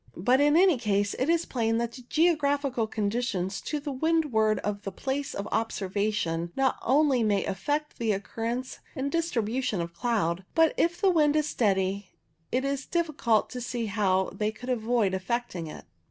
But in any case it is plain that the geographical con ditions to the windward of the place of observation not only may affect the occurrence and distribution of cloud, but if the wind is steady it is difficult to see how they could avoid affecting it.